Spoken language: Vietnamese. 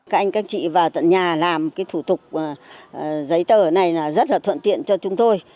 các anh các chị vào tận nhà làm cái thủ tục giấy tờ này là rất là thuận tiện cho chúng tôi